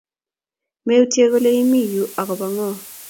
Meutye kole imi yu agoba ngo